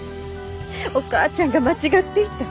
お母ちゃんが間違っていた。